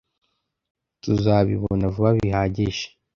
Tuzabibona vuba bihagije.